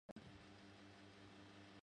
刘冠佑。